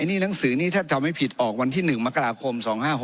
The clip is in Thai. นี่หนังสือนี้ถ้าจำไม่ผิดออกวันที่๑มกราคม๒๕๖๖